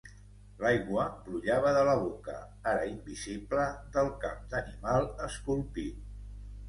L'aigua brollava de la boca, ara invisible, del cap d'animal esculpit.